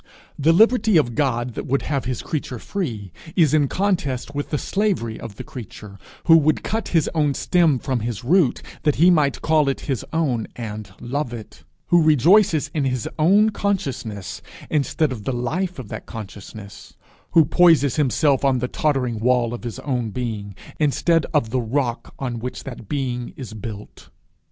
The liberty of the God that would have his creature free, is in contest with the slavery of the creature who would cut his own stem from his root that he might call it his own and love it; who rejoices in his own consciousness, instead of the life of that consciousness; who poises himself on the tottering wall of his own being, instead of the rock on which that being is built.